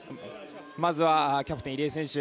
まずはキャプテン、入江選手